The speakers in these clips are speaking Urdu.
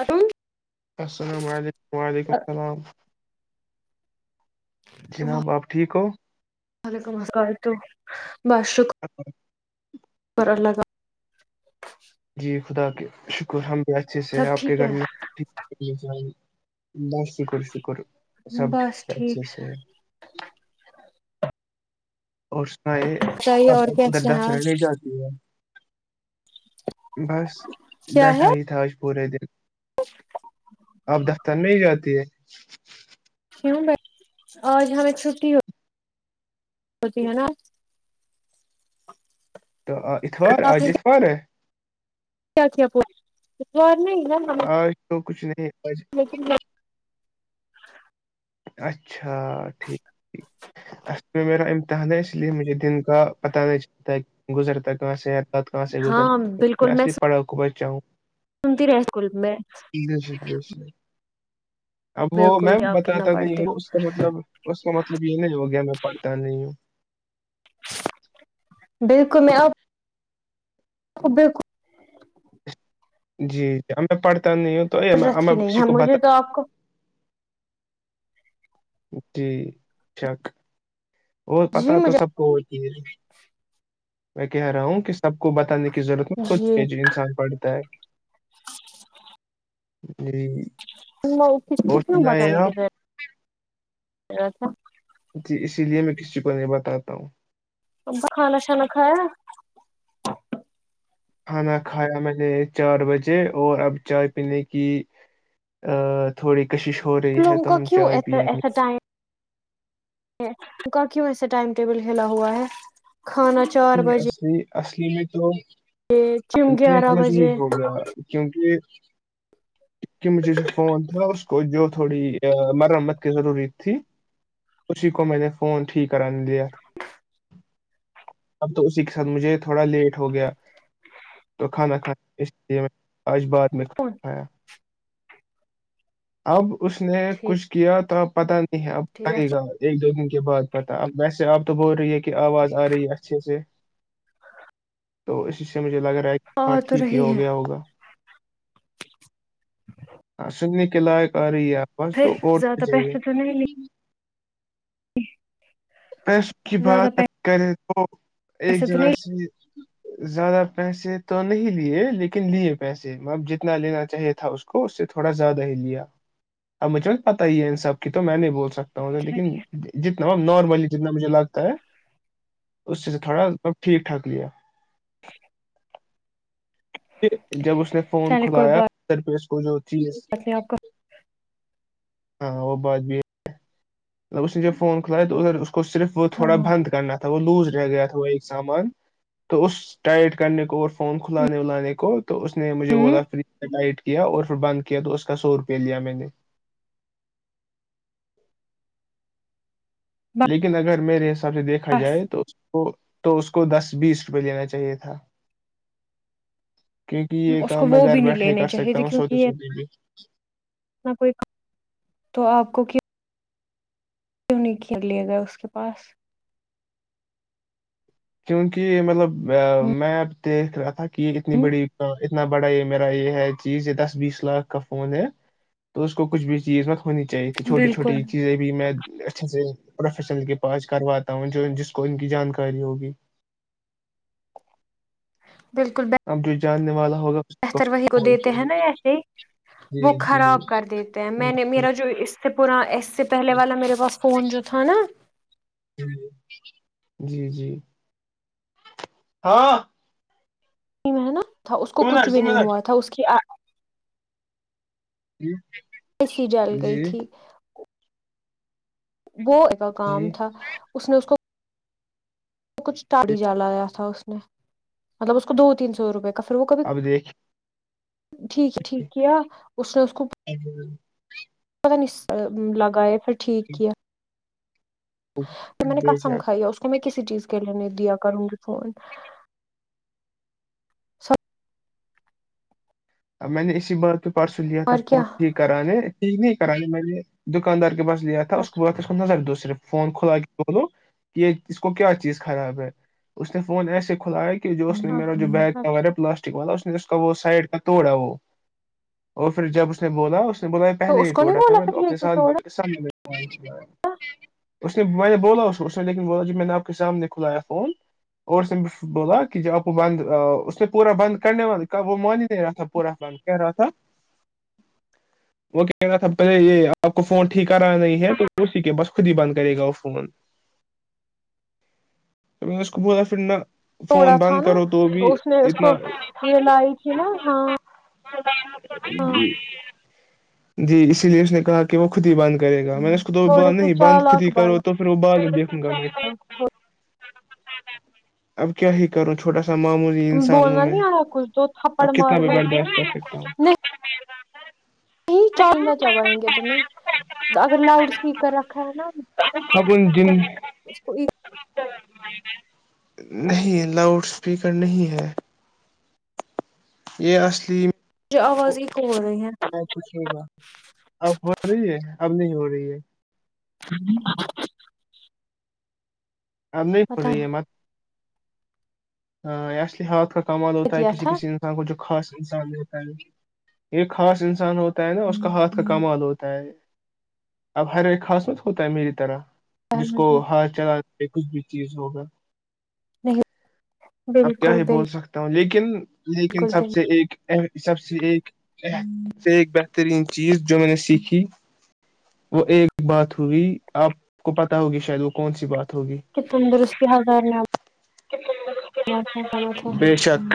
اٹ السلام علیکم وعلیکم السلام جناب آپ ٹھیک ہو وعلیکم السلام بشک اور اللہ کا جی خدا شکر حمد کیا اچھے سے ہے سب آپ کے ٹھیک گھر میں بس شکر شکر سب ٹھیک اچھے سے اور سنا یہ بتائیے اور ابب کیسے گدا ہیں پر آپ کے جاتی ہے بس بیٹھا ہی تھا آج پورے دن اچ آپ دفتر میں ہی جاتی ہے کیوں میں آج ہمیں چھٹی ہوی ستی ہے نا تو اتوار آپ نے آج اتوار ہے کیا کیا پ جور میں ن آج تو کچھ نہیں آج بک [unintelligible] [inaudible] اچھا ٹھیک ٹھ اس پ نیرا اس لیے مجھے دن کا پتہ نہیں چلتا گزرتا کہاں سےحت ز گز ہاں بالکل ا میں پلی پڑھا کو چ سنتی رہے اسکول میں جی جی جی۔ اب وہ بالکل میں بھی آپ کتنا آتا نہیں پڑھتے ہو اس کا مطلب اس کا مطلب یہ نہیں ہو گیا میں پڑھتا نہیں ہوں بالکل میں آپ جی بالکل جی جی ہم میں پڑھ ب نہیں ہ تو ا ضرورت ام ہی نہیں بی ہے کو مجھے بتاؤ تو آپ کو جی چیک اور جی پتع تو مجھے سب کو ہوتی میں کہہ رہا ہوں کس سب کو بتانے کی ضرورت خود جی پہ جو انسان پڑھتا ہے جی ک اور کتیوں سنا ہے بتانے کی آپ ذر ا تھا جی اسی لیے میں کسی کو نہیں بتاتا ہوں ابا کھانا شانا کھایا کھانا کھایا میں نے چار بجے اور اب چائے پینے کی ا تھوڑی کشش ہو رہی ہے لوگوں تو کو ہم کیوں چائے پیئیں گے ٹیم کیوں ایسے ٹائم ٹیبل کھیلا ہوا ہے کھانا چار یہ بجے اصلی اصلی میں تو جم یہ گیارہ سمجھ بجے نہیں ہو گیا کیونکہ مجھے جو فون تھا اس کو جو تھوڑی مرمت کی ضروریت تھی اسی کو میں نے فون ٹھیک کرا لت اب تو اسی کے ساتھ مجھے تھوڑا لیٹ ہو گیا تو کھانا کھا اس لیے میں آج بعد میں آیا اب اس نے ٹھیک کچھ کیا تھا پتہ ب ٹھیک پگے گا اچھا ایک دو منٹ بات پتتا اب ویسے آپ تو بول رہی ہیں کہ کی آواز آ رہی ہے اچھا اچھا تو اس مجھے لگ رہا ہے آ کہ ہاں تو ھیک رہی ہو ہے گیا ہوگا اا سننے کے لائق آ رہی ہے بس پھر تو اور تو زیادہ چاہے ہی پس کی بات ا کریں تو ایک پیسے تو جگہ نہیں سے زیادہ پیسے تو نہیں لیے لیکن لیے پیسے میں اب جتنا لینا چاہیے تھا اس کو اس سے تھوڑا زیادہ ہی لیا اب مجھے میں پت ہی ہے ان سب کی تو میں نے بول سکتا ہوں لیکن جتنا نارملی جتنا مجھے لگتا ہے اس سے سے تھوڑا ٹھیک ٹھاک لیا کہ جب اس نے فون چلے کوئی کھدایا بات پ کو جی نہیں آپ کو ہاں وہ بات بھی ہے اس نے جب فون کھلایا تو اھر کو صرف وہ ہاں تھوڑا ہوں بند کرنا تھا وہ لوز رہ گیا تھا وہ ایک سامان تو اس ٹائٹ کرنے کو اور فون کھلانے ولانے کو تو اس نے مجھے بولا فری لائٹ کیا اور پھر بند کیا تو اس کا سو روپے لیا میں نے لیکن اگر میرے حساب سے دیکھا بس جائے تو تو اس کو دس بیس روپئے لینا چاہیے تھا کیونکہ یہ اس کو کام میں وہ بھی گھر نہیں بیٹھے لینے کر چاہیے سکتا تھے ہوں سوتے کیونکہ سوتے بھی کوئی تو آپ کوک کیوں نہیں کھیر لیا گیا اس کے پاس؟ کیونکہ مطلب ہ میں اب دیکھ رہا تھا کہ اتنی بڑی اتنا بڑا یہ میرا یہ ہے چیز یہ دس بیس لاکھ کا فون ہے تو اس کو کچھ بھی چیز م ہونی چاہیے تھی چھوٹی بالکل چھوٹی چیزیں بھی میں اچھے سے پروفیسنل کے پاس کرواتا ہوں جو جس کو ان کی جانکاری ہوگی بالکل اب جو جاننے والا ہوگا اس بہتر وہی کو دیتے ہیں نا ایسے ہی وہ جی جی خراب کر دیتے ہیں میں نے میرا جو اس سے پا اس سے پہلے والا میرے پاس فون جو تھا نا جی جی ہاں میں نا تھا اس کو دو کچھ منٹ دو بھی نہیں منٹ ہوا تھا اس کی ہی ا سی جال گئی تھی وہ جی پقام تھا اس نے اس کو وہ کچھ ٹاڑی جالا آیا تھا اس مطلب اس کو دو تین سو روپئے کا پھر وہ کبھی اب دیکھ ٹھیک ہے ٹھیک کیا اس نے اس کو دیکھیے پتا نہیں لگا ہے پھر [inaudible] ٹھیک کیا پ میں نے کہسمکھھائی ہے اس کو میں کسی چیز کے لینے دیا کروں گی فون سب میں نے اسی بار تو پرسوں لیا تھا اور کیا فون کرا نے ٹھیک نہیں کرا میں نے دکاندار کے پاس لیا تھا اس ب اس کو نظر دو صرف فون کھلا کے بولو کہ یہ اس کو کیا چیز خراب ہے اس نے فون ایسے کھلایا کہ کہ جو اس نے میرا جو بیگ اچھا تھا والا پلاسٹک والا اس کا وہ سائڈ کا توڑا وہ اور پھر جب اس نے بولا اس بولایا تو پہلے اس ہی کو نہیں ٹا تھا بولا میں تو پھر یہ اپنے کیوں توڑ سھ سھ اس نے میں نے بولا اس اس نے لیکن بولا جب میں نے آپ کے سامنے کھلایا فون اور اس نے بولا کہ جب آپ کو بند اس نے پورا بند کرنے والا وہ مانی کہ رہا تھا پورا بند کہہ رہا تھا وہ کہہ رہا تھا پہلے یہ آپ کو فون ٹھیک کرا نہیں ہے تو اسی کے بس خود ہی بند کرے گا وہ فون نے اس کو ب پھر نہ توڑا فون تھا بند نا کرو بھی تو اس نے اس کو اتنا یہ لائی نا ہاں ہاں جی اسی لیے اس نے کہا کہ وہ خود ہی بند کرے گا میں نے اس کو تو تھوڑے سے نہیں بند خود چالاک ہی کرو بنو تو پھر ابال گم [inaudible] اب کیا ہی کروں چھوٹا س ت بولنا نہیں آ رہا کھ تو اور کتاب بڈ کتا [unintelligible] [inaudible] نہیں چالنا چبائیں گے تمہیں اگر لاؤڈ اسپیکر رکھا ہے نا کون دن [inaudible] اس کوئی [unintelligible] نہیں لاؤڈ اسپیکر نہیں ہے یہ اصلی جو آواز ای ب کچھ ہوگا اب ہو رہی ہے اب نہیں ہو رہی رہی ہے ہاں اب نہیں ہو رہی ہے مت ہاںیا ح کمال ہوتا ہے کیا کسی تھا کسی انسان کو جو خاص انسان ہوتا ہے یہ خاص انسان ہوتا ہے نا اس کا ہاتھ کا کمال ہوتا ہے اب ہر ایک خاصمت ہوتا ہے میری طرح جس کو نہیں ہاتھ چلا پ کچھ بھی چیز ہوگا نہیں اب کیا ہی بول سکتا ہوں لیکن کن لیکن بالکل سب سے بالکل ایک سب سے ایک سے ایک بہترین چیز جو میں نے سیکھی وہ ایک بات ہوئی آپ کو پتا ہوگی شاید وہ کون سی بات ہوگی کہ تندرستی حازار نے بات ہے کیا بات ہے بے شک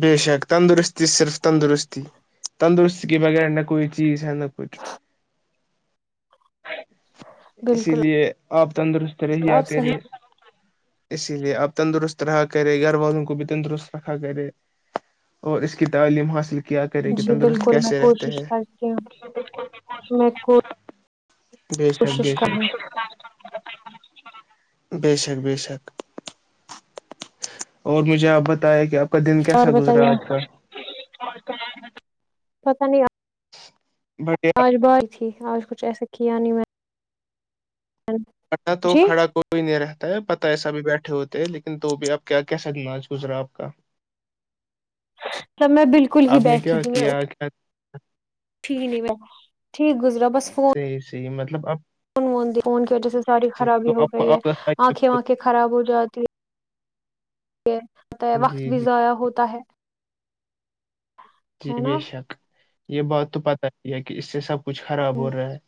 بے شک تندرستی صرف تندرستی تندرستی کے بغیر نہ کوئی چیز ہے نہ کچھ اسی بالکل لیے آپ تندر رہ ہی آپ آتے صحیح رہے اسی لیے آپ تندرست رہا کرے گھر والوں کو بھی تندرست رکھا کرے اور اس کی تعلیم حاصل کیا کرے کہ جی تندرست بالکل میں کیسے رہتے کوشش ہیں کرتی ہوں میں کو بس بس ہےک ب شک بشک اور مجھے آپ بتایا کہ آپ [inaudible] آ کا دن کیسا اور گزرا ہے بتائیے آج کال پتا نہیں [inaudible] [unintelligible] آج تھی آج کچھ ایسے کیا نہیں میں تو جی کھڑا کوئی نہیں رہ [unintelligible] ہیں پتا ایسا بھی بیٹھے ہوتے ہیں لیکن تو بھی اب کیا کیسا نمااز گزرا آپ کا جب میں بالکل ہی آپ نے بیٹھی کیا تھی میں کیا کیا ٹھیک نہیں میں ٹھیک گزرا سہی سہی مطلب [inaudible] فونون فون کی وجہ سے ساری تو خرابی ہو آپ کو گئی ہے آپ آنکھیں بتائیے واںکھیں خراب ہو جاتی آتا ہے۔ وقت جی بھی جی ضائع ہوتا ہے وقت بھی جی نا بیشک یہ بات تو پتا ہی ہے کہ اس سے سب کچھ خراب ہو رہا ہے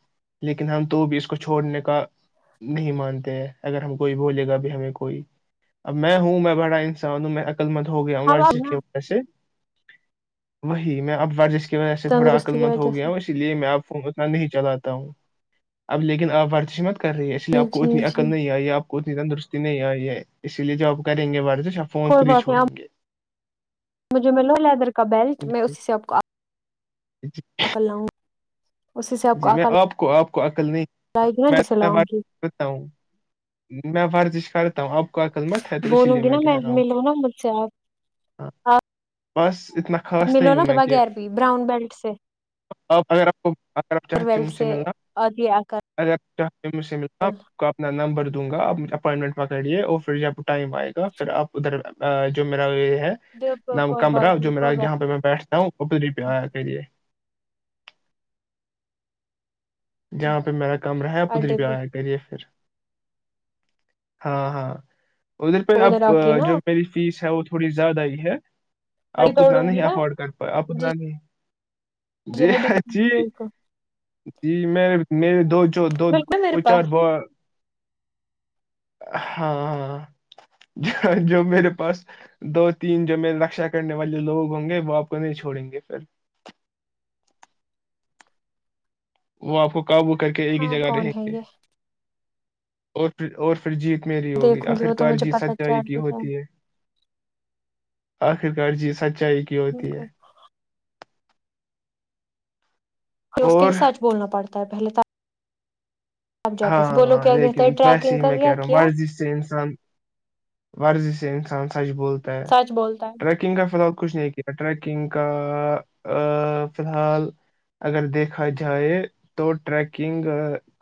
لیکن ہم تو بھی اس کو چھوڑنے کا نہیں مانتے ہیں اگر ہم کوئی بولے گا بھی ہمیں کوئی اب میں ہوں میں [inaudible] بڑا انسان ہوں میں ہو گیا ہم امرضی کی نا وجہ سے [inaudible] وہی میں اب کہ وج ایسے تھوڑ تندرستی کی عقللمند ہو وجہ سے گیاوں اسی لیے میں آپ فون اتنا نہیں چلاتا ہوں اب لیکن آپ کر رہی ہے اس لیے جی آپ کو جی اتنی عقل جی نہیں آئی ہے آپ کو تندرستی نہیں آئی ہے اسی لیے جب آپ کریں گے ورزش یہ فون کوئی خود ہی بات نہیں آپ چھوڑیں گے مجھے ملو لیدر کا بیلٹ میں ا جی اسی سے آپ کو جی عقل لاوں جی میں آپ کو آپ کو عقل نہیں لائے گی نا جسے لاؤں گی کرتا ہوں اب بولوں گی نا میں ملوں نا مجھ سے آپ آپ پس اتنا خاص ملو نا نہیںوں میں کہ بغیر بھی براؤن بیلٹ سے آپ [inaudible] [inaudible] کا اپنا نمبر تو مجھ سے مل اب دوں گا آپ اپوائنٹمنٹ پکڑیے اور پھر جب ٹائم آئے گا پھر آپ ادھر جو میرا یہ ڈے پہ نام کوئی بات کمرہ نہیں جو میرا کوئی بات یہاں پہ میں بیٹھتا ہوں وہ پری پہ آیا کرے جہاں پہ میرا کام رہا نہیں، پدھر اڈے بھی پہ آیا کریے پھر ہاں ہاں ادھر پہ آ اب کے نا جو میری فیس ہے تھوڑی زیادہ ہی ہے ہڈی آپ اتنا توڑوں گی نہیں نا افورڈ کر پائے آپ جی اتنا نہیں جی ہڈی دیکچھی بالکل جی میں میر دو جو دو بالکل میرے دو چار پاس ہاں جو میرے پاس دو تین جو میں رکشا کرنے والے لوگ ہوں گے وہ آپ کو نہیں چھوڑیں گے پھر وہ آپ کو قابو کر کے ایک ہی ہاں جگہ کون رہیں ہے گے یہ اورھر اور پ جیت میری ہوگی دیکھوں گی وہ تو آخرکار مجھے جیت پتا سچائی چل کی گیا۔ ہوتی ہے آخرکار جی سچ اونچائی کی ہوتی ہے بالکل پ اس اور کےے سچ بولنا پڑتا پہلے تھا ہاں لیکن ویسے ٹریکنگ ہی کا میں کیا کہہ رہا ہوں کیا مرضی سے انسان ورزی سے انسان سے سچ بولتا ہے سچ بولتا ہے ٹریکنگ کا فی الحال تو کچھ نہیں کیا ٹریکنگ کا فی الحال اگر دیکھا جائے تو ٹریکنگ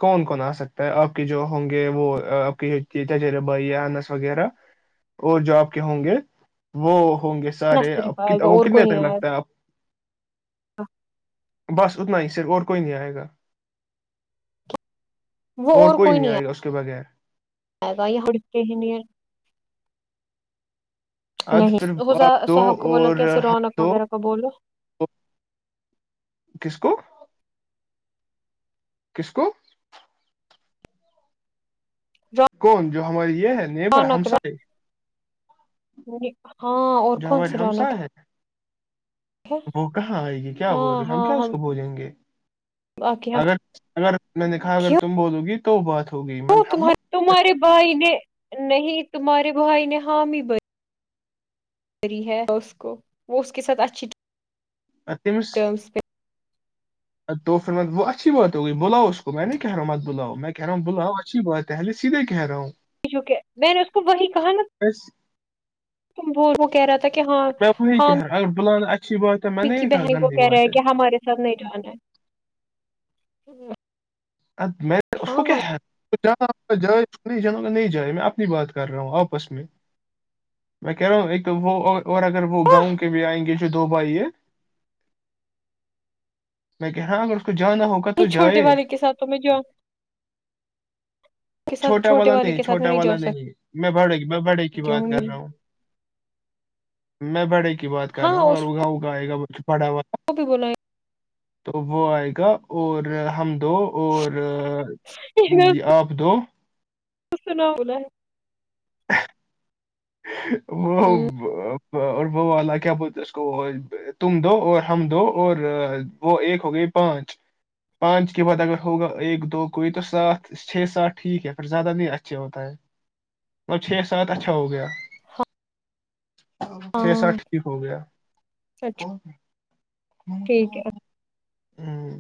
کون نہ سکتا ہے آپ کے جو ہوں گے وہ آپ کی تجر بھائی انس وغیرہ اور جو آپ کے ہوں گے وہ ہوں گے نہ سارے اب صرف آئے گا وہ اور کوئی کتنے نہیں تک آئے گا لگتا ہے آپ [inaudible] بس اتنا ہی صر اور کوئی نہیں آئے گا وہ اور کوئی نہیں آئے گا اس کے بغیر آئے گائے گا یہک ہی نہیں آج پھر نہیںزا آپ دو صاحب کو بولا اور کیسے ہم رونق دو وغیرہ اور کو بولو کس کو کس کو کون جو ہماری یہ ہے نیب رونق ہمس [inaudible] ہاں اور کون ہمارے سی رونق ہمسائے ہیں ہے وہ کہاں آئے گی کیا ہاں بول رہے ہم ہاں کیا اس کو بولیں گے باقی ہم اگر اگر میں نے کہا اگر کیوں تم بولو گی تو بہت تمہارے بھائی نے نہیں تمہارے روحائی نے حامی بری ری ہے اس کو وہ اس کے ساتھ اچھی تمس [unintelligible] ٹرمس پہ تو پھرت وہ اچھی بات ہو گئی بلاؤ اس کو میں نہیں کہہ رہا ہوں مت بلاؤ میں کہہ رہا ہوں بلاؤ اچھی بات ہےل سیدھے کہہ رہا ہوں کیکہ میں نے اس کو وہی کہا نا بس تم بول کیا [unintelligible] میں وہیگر بان م کی بہن وہ کہہ رہا ہے کہ ہم ہمارے ساتھ نہیں جان ہے جی ا میں اس کو کیا ہے جانا ہوگا جائے نہیں جانا ہوگا نہیں جائے میں اپنی بات کر رہا ہوں آپس میں میں کہہ رہا ہوں ایک تو وہ اور اگر وہ ہاں گاؤں کے بھی آئیں گے دو بائی یہ میں کہ رہا اگر اس کو جانا ہوگا تو نہیں چھوٹے جائے والے کے ساتھوں میں جو کے ساتھ چھوٹا چھوٹے والا والے نہیں کے ساتھ میں چھوٹا جا والا نہیں میں بڑ گ میں بڑے کی بات کر رہا ہوں میں بڑے بات کر ہاں رہا ہوں اس اگر اگا اگاائےئے گ پڑوا کو بھی بولا تو وہ آئے گا اور ہم دو اور جی آپ دو ک سنا بولا ہے [unintelligible] ہ [unintelligible] وہ ہے [unintelligible] اور وہ والا کیا بولتے اس کو تم دو اور ہم دو اور وہ ایک ہو گئی پانچ پانچ کے بعد اگر ہوگا ایک دو کوئی تو سات چھ سات ٹھیک ہے پھر زیادہ نہیں اچھے ہوتا ہے مطلب چھ سات اچھا ہو گیا چھ ہاں سات ٹھیک ہو گیا اچھا ہ ٹھیک ہے [unintelligible] ہوں